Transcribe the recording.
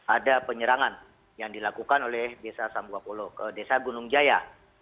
ada penyerangan yang dilakukan oleh desa sampuapolo ke desa gunung jaya